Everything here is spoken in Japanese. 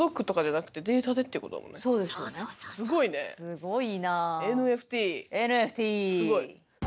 すごい！